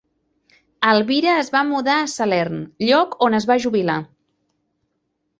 Elvira es va mudar a Salern, lloc on es va jubilar.